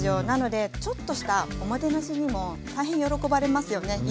なのでちょっとしたおもてなしにも大変喜ばれますよね。